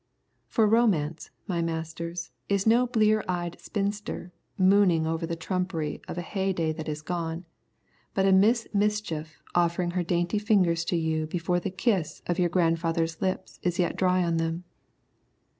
For romance, my masters, is no blear eyed spinster mooning over the trumpery of a heyday that is gone, but a Miss Mischief offering her dainty fingers to you before the kiss of your grandfather's lips is yet dry on them.